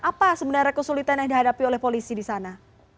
apa sebenarnya kesulitan yang dihadapi oleh polisi di sana